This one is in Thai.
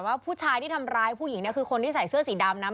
ว่าผู้ชายที่ทำร้ายผู้หญิงมีชื่อเสื้อสีดำนะ